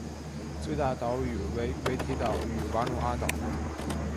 最大的岛屿为维提岛与瓦努阿岛。